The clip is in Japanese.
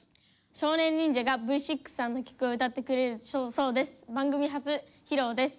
少年忍者がＶ６さんの曲を歌ってくれるそうです。